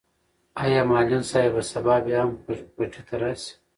آیا معلم صاحب به سبا بیا هم پټي ته راشي؟